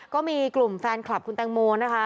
ก็มีกลุ่มแฟนคลับคุณแตงโมนะคะ